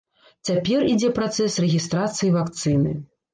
Цяпер ідзе працэс рэгістрацыі вакцыны.